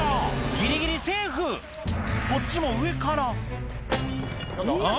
ギリギリセーフこっちも上からうん？